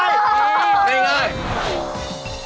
เป็นไง